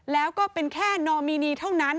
แล้วก็เป็นแค่นอมินีเท่านั้น